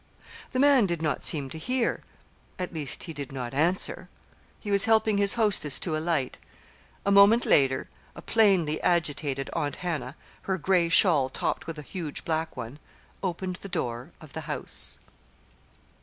The man did not seem to hear; at least he did not answer. He was helping his hostess to alight. A moment later a plainly agitated Aunt Hannah her gray shawl topped with a huge black one opened the door of the house.